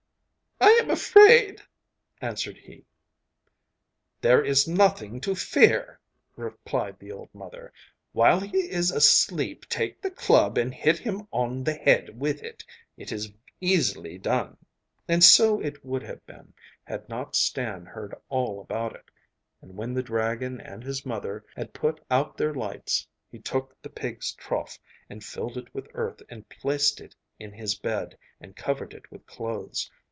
'I am afraid,' answered he. 'There is nothing to fear,' replied the old mother. 'When he is asleep take the club, and hit him on the head with it. It is easily done.' And so it would have been, had not Stan heard all about it. And when the dragon and his mother had put out their lights, he took the pigs' trough and filled it with earth, and placed it in his bed, and covered it with clothes.